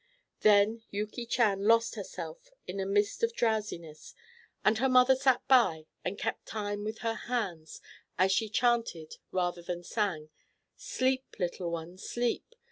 Then Yuki Chan lost herself in a mist of drowsiness, and her mother sat by, and kept time with her hand as she chanted rather than sang: "Sleep, little one, sleep.